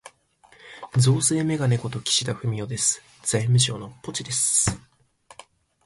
増税めがね事、岸田文雄です。財務省のポチです。